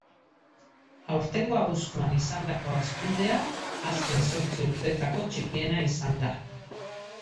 Aurtengo abuztuan izandako hazkundea azken zortzi urteetako txikiena izan da.